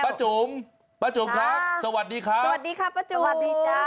ป้าจุ๋มป้าจุ๋มครับสวัสดีครับสวัสดีครับป้าจุ๋ม